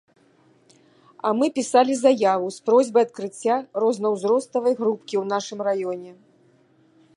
А мы пісалі заяву з просьбай адкрыцця рознаўзроставай групкі ў нашым раёне.